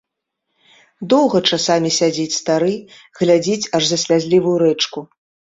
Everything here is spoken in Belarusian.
Доўга часамі сядзіць стары, глядзіць аж за слязлівую рэчку.